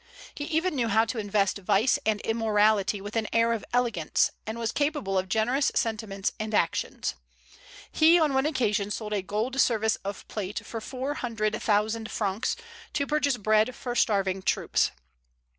He even knew how to invest vice and immorality with an air of elegance, and was capable of generous sentiments and actions. He on one occasion sold a gold service of plate for four hundred thousand francs, to purchase bread for starving troops.